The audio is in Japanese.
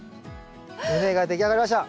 畝が出来上がりました。